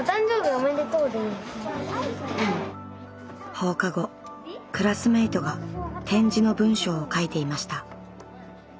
放課後クラスメートが点字の文章を書いていました。